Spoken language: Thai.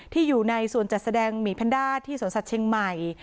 อยู่ในส่วนจัดแสดงหมีแพนด้าที่สวนสัตว์เชียงใหม่